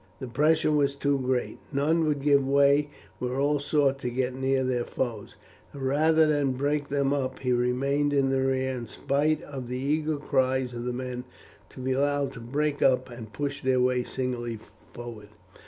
The pressure was too great, none would give way where all sought to get near their foes, and rather than break them up he remained in the rear in spite of the eager cries of the men to be allowed to break up and push their way singly forward.